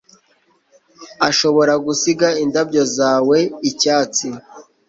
ashobora gusiga indabyo zawe icyatsi